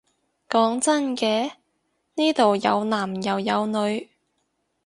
講真嘅，呢度有男又有女